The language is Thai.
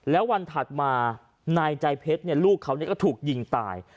แล้ววันถัดมานายใจเพชรลูกเขาก็ถูกยิงตาย